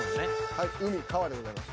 はい海川でございます。